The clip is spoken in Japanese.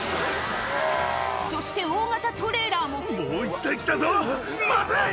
そして大型トレーラーももう１台来たぞまずい！